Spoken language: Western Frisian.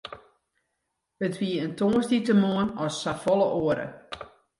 It wie in tongersdeitemoarn as safolle oare.